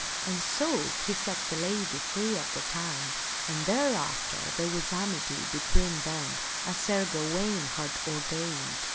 And so he set the lady free at that time, and thereafter there was amity between them as Sir Gawaine had ordained.